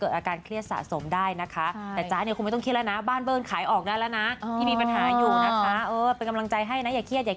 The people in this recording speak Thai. ได้แล้วนะพี่มีปัญหาอยู่นะคะเออเป็นกำลังใจให้นะอย่าเครียดอย่า